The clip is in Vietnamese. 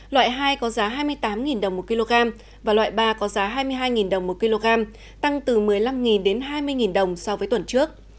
loại hai có giá hai mươi tám đồng một kg và loại ba có giá hai mươi hai đồng một kg tăng từ một mươi năm đến hai mươi đồng so với tuần trước